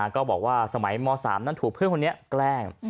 ก็บอกว่าสมัยม๓นั้นถูกเพื่อนคนนี้แกล้ง